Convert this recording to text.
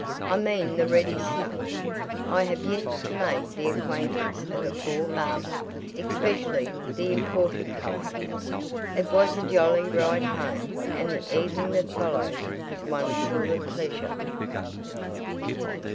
I mean the ready stuff. I have yet to make the acquaintance of a poor barber; especially the imported kind." It was a jolly ride home and the evening that followed was one full of pleasure.